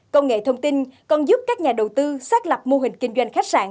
công nghệ thông tin còn giúp các nhà đầu tư xác lập mô hình kinh doanh khách sạn